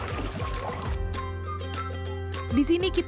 tetapi saya juga berserig di departemen